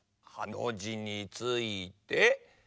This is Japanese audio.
ハのじについて。